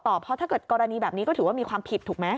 เพราะถ้าเกิดกรณีแบบนี้ก็ถือว่ามีความผิดถูกไหม